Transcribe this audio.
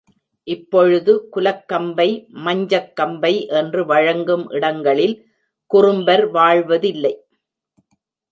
இப்பொழுது குலக்கம்பை, மஞ்சக் கம்பை என்று வழங்கும் இடங்களில் குறும்பர் வாழ்வதில்லை.